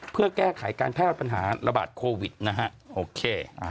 เพื่อแก้ไขการแพร่ปัญหาระบาดโควิดนะฮะโอเค